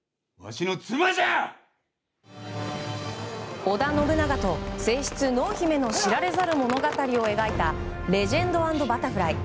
織田信長と正室・濃姫の知られざる物語を描いた「レジェンド＆バタフライ」。